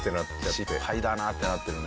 失敗だなってなってるね。